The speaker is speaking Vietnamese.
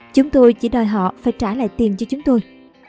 chúng tôi chỉ đòi họ phải trả lại tiền cho chúng tôi